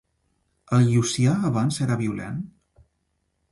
El Llucià abans era violent?